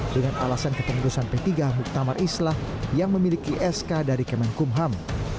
dengan alasan ketengdusan p tiga muktamar islah yang memiliki sk dari kementerian hukum ham